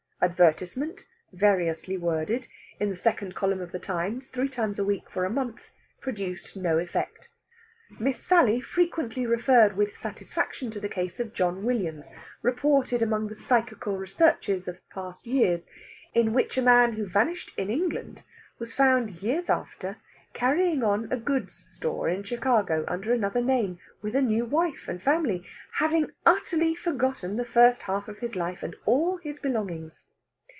Advertisement variously worded in the second column of the "Times," three times a week for a month, produced no effect. Miss Sally frequently referred with satisfaction to the case of John Williams, reported among the Psychical Researches of the past years, in which a man who vanished in England was found years after carrying on a goods store in Chicago under another name, with a new wife and family, having utterly forgotten the first half of his life and all his belongings.